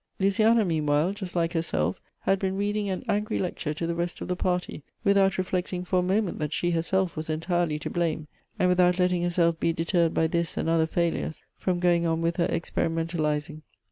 Luciana meanwhile, just like herself, had been reading an angry lecture to the rest of the party, without reflect ing for a moment that she herself was entirely to blame, and without letting herself be deterred by this and other foilures, from going on with her experimentalizing.